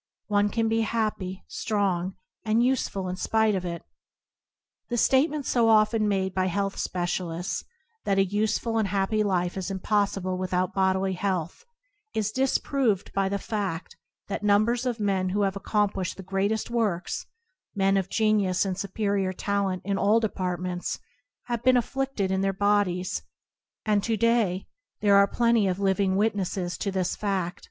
One can be happy, strong, and useful in spite of it. The statement so often made by health specialists that a useful and happy life is impossible without bodily health is disproved by the fad: that numbers of men who have accomplished the greatest works — men of genius and superior talent in all departments — have been afflided in their bodies, and to day there are plenty of living witnesses to this fad.